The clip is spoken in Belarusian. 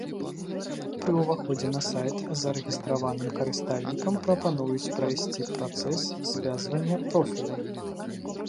Пры ўваходзе на сайт зарэгістраваным карыстальнікам прапануюць прайсці працэс звязвання профіляў.